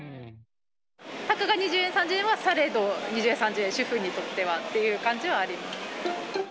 たかが２０円、３０円は、されど２０円、３０円、主婦にとってはっていう感じはあります。